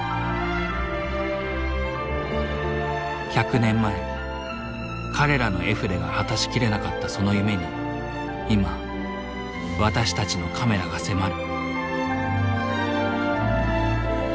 １００年前彼らの絵筆が果たし切れなかったその夢に今私たちのカメラが迫る。